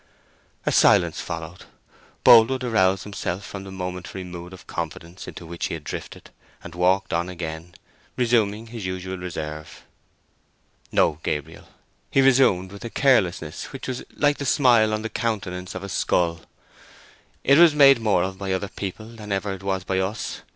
A silence followed. Boldwood aroused himself from the momentary mood of confidence into which he had drifted, and walked on again, resuming his usual reserve. "No, Gabriel," he resumed, with a carelessness which was like the smile on the countenance of a skull: "it was made more of by other people than ever it was by us.